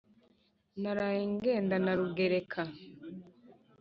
Naraye ngenda na Rugereka